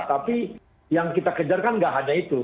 tapi yang kita kejar kan nggak hanya itu